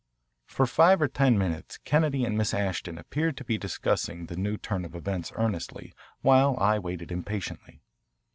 For five or ten minutes Kennedy and Miss Ashton appeared to be discussing the new turn of events earnestly, while I waited impatiently.